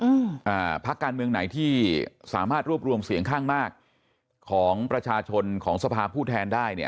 อ่าพักการเมืองไหนที่สามารถรวบรวมเสียงข้างมากของประชาชนของสภาผู้แทนได้เนี่ย